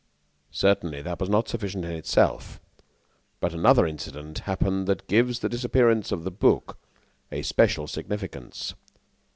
"Certainly, that was not sufficient in itself, but another incident happened that gives the disappearance of the book a special significance.